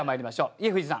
家藤さん